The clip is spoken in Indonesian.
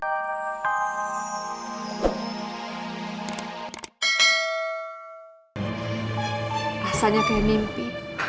rasanya kayak mimpi